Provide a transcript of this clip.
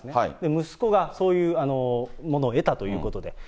息子がそういうものを得たということで。